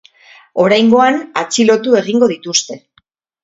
Oraingoan, atxilotu egingo dituzte.